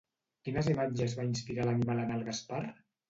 Quines imatges va inspirar l'animal en el Gaspar?